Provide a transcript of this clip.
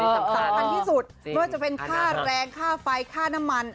ที่สุดเพื่อจะเป็นค่าแรงค่าไฟค่าน้ำมัน